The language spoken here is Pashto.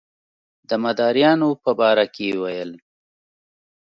د مداریانو په باره کې یې ویل.